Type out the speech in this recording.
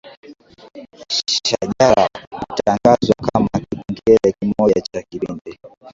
shajara hutangazwa kama kipengele kimoja cha kipindi